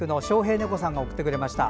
猫さんが送ってくれました。